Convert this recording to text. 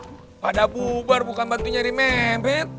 eh pada bubar bukan bantunya di mebet